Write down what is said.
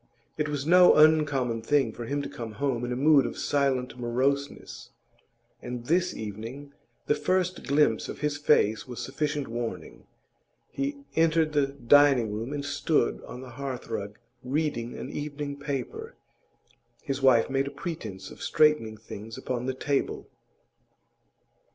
It was no uncommon thing for him to come home in a mood of silent moroseness, and this evening the first glimpse of his face was sufficient warning. He entered the dining room and stood on the hearthrug reading an evening paper. His wife made a pretence of straightening things upon the table.